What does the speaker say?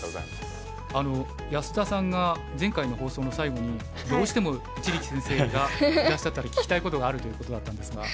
安田さんが前回の放送の最後にどうしても一力先生がいらっしゃったら聞きたいことがあるということだったんですが。